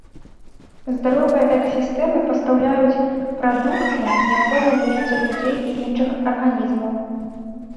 Здаровыя экасістэмы пастаўляюць прадукты, неабходныя для жыцця людзей і іншых арганізмаў.